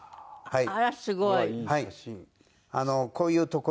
はい。